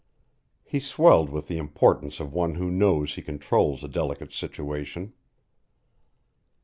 He swelled with the importance of one who knows he controls a delicate situation.